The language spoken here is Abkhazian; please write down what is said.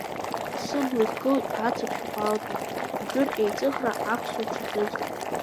Сыбла ихгылоит ацыԥхьқәа алҵуа, Аџыр еиҵыхра аԥсуа дшаҿыз.